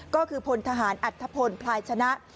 ก็คือพลทหารอัธพลพลายชนะ